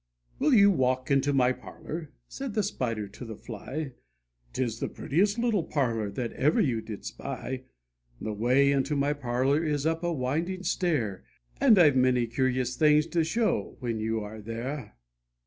" Will you walk into my parlour? ' said the Spider to the Fly, "'Tis the prettiest little parlour that ever you did spy; The way into my parlour is up a winding stair, And I have many curious things to show when you are there."